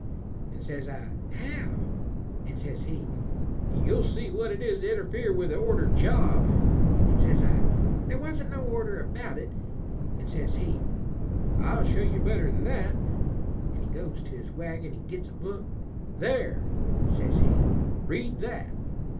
An' says I, 'How?' An' says he, 'You'll see what it is to interfere with a ordered job.' An' says I, 'There wasn't no order about it;' an' says he, 'I'll show you better than that;' an' he goes to his wagon an' gits a book, 'There,' says he, 'read that.'